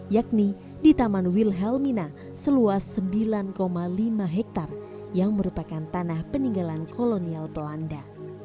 yakni di taman wilhelmina seluas sembilan lima hektare yang merupakan tanah peninggalan kolonial belanda